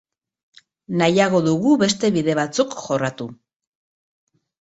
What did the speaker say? Nahiago dugu beste bide batzuk jorratu.